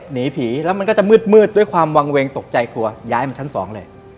หนีผีแล้วมันก็จะมืดด้วยความวางเวงตกใจกลัวย้ายมาชั้นสองเลย